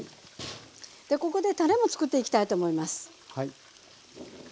でここでたれもつくっていきたいと思います。